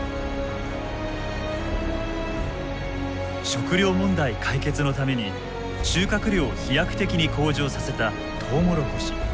食糧問題解決のために収穫量を飛躍的に向上させたトウモロコシ。